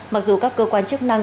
mặc dù các cơ quan chức năng